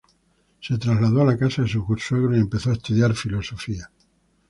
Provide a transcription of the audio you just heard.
Se trasladó a la casa de su suegro y empezó a estudiar filosofía.